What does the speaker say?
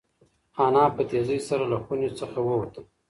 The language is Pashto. انا په تېزۍ سره له خونې څخه ووته.